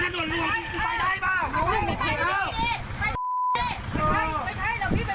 เกิดอะไรนะคะ